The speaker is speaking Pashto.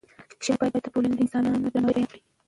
شعر باید د ټولنې د انسانانو دردونه بیان کړي.